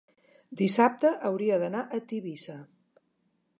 dissabte hauria d'anar a Tivissa.